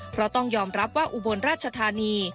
เพราะต้องยอมรับว่าอุบลราชธานี